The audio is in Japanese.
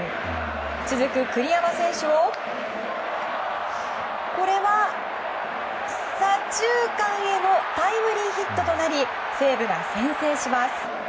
続く栗山選手をこれは、左中間へのタイムリーヒットとなり西武が先制します。